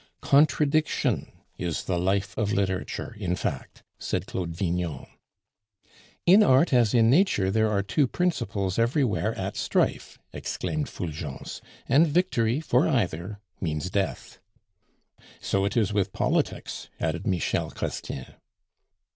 "Contradiction is the life of literature, in fact," said Claude Vignon. "In art as in nature, there are two principles everywhere at strife," exclaimed Fulgence; "and victory for either means death." "So it is with politics," added Michel Chrestien.